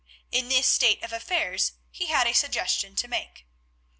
In this state of affairs he had a suggestion to make.